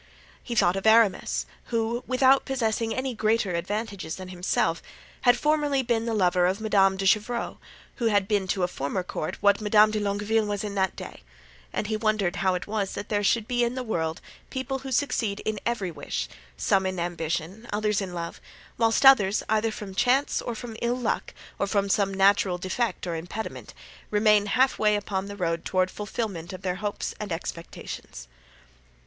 He thought of Aramis, who, without possessing any greater advantages than himself, had formerly been the lover of Madame de Chevreuse, who had been to a former court what Madame de Longueville was in that day; and he wondered how it was that there should be in the world people who succeed in every wish, some in ambition, others in love, whilst others, either from chance, or from ill luck, or from some natural defect or impediment, remain half way upon the road toward fulfilment of their hopes and expectations.